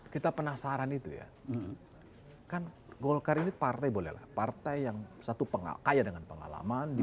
kita penasaran itu ya kan golkar ini partai bolehlah partai yang satu kaya dengan pengalaman